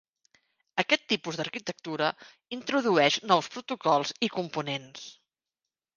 Aquest tipus d'arquitectura introdueix nous protocols i components.